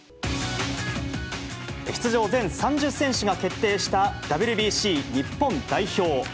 出場全３０選手が決定した、ＷＢＣ日本代表。